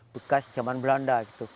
bekas zaman belanda